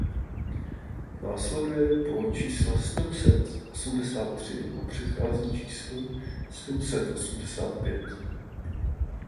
Následuje po čísle sedm set osmdesát tři a předchází číslu sedm set osmdesát pět.